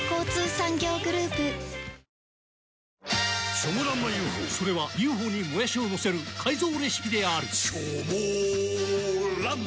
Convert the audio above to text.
チョモランマＵ．Ｆ．Ｏ．それは「Ｕ．Ｆ．Ｏ．」にもやしをのせる改造レシピであるチョモランマ